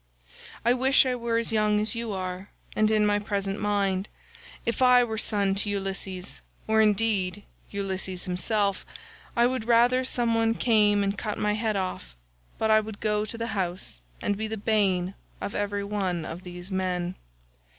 I wish I were as young as you are and in my present mind; if I were son to Ulysses, or, indeed, Ulysses himself, I would rather some one came and cut my head off, but I would go to the house and be the bane of every one of these men.